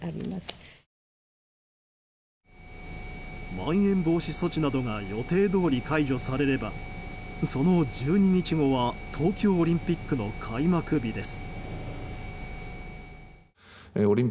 まん延防止措置などが予定どおり解除されればその１２日後には東京オリンピックの開幕日です。